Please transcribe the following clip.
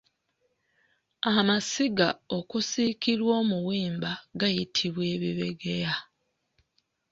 Amasiga okusiikirwa omuwemba gayitibwa Ebibegeya.